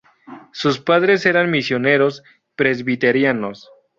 Sus padres eran misioneros presbiterianos.